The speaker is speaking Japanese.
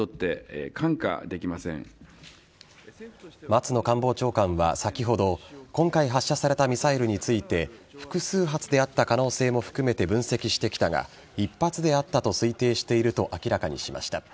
松野官房長官は先ほど今回発射されたミサイルについて複数発であった可能性も含めて分析してきたが一発であったと推定していると明らかにしました。